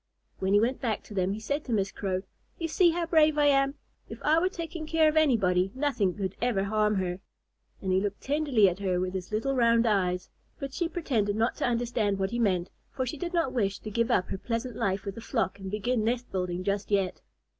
When he went back to them, he said to Miss Crow, "You see how brave I am. If I were taking care of anybody, nothing could ever harm her." And he looked tenderly at her with his little round eyes. But she pretended not to understand what he meant, for she did not wish to give up her pleasant life with the flock and begin nest building just yet.